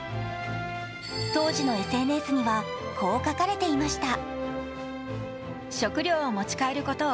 当時のＳＮＳにはこう書かれていました。